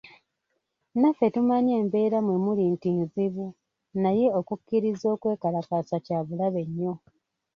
Naffe tumanyi embeera mwemuli nti nzibu naye okukkiriza okwekalakaasa kyabulabe nnyo.